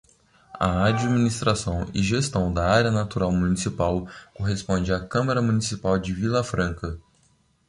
A administração e gestão da área natural municipal corresponde à Câmara Municipal de Vilafranca.